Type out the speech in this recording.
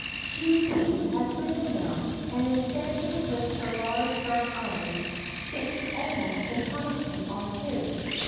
She too has risen now, and is standing with her large dark eyes fixed almost defiantly on his.